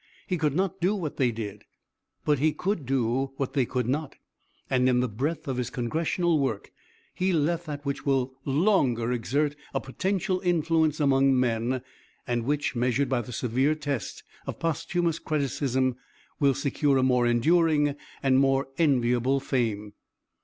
He could not do what they did, but he could do what they could not, and in the breadth of his Congressional work he left that which will longer exert a potential influence among men, and which, measured by the severe test of posthumous criticism, will secure a more enduring and more enviable fame.